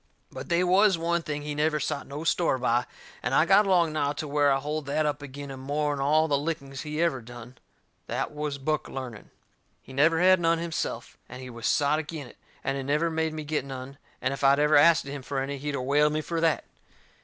But they was one thing he never sot no store by, and I got along now to where I hold that up agin him more'n all the lickings he ever done. That was book learning. He never had none himself, and he was sot agin it, and he never made me get none, and if I'd ever asted him for any he'd of whaled me fur that.